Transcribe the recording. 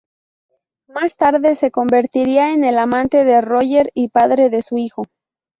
Más tarde se convertiría en el amante de Royer y padre de su hijo.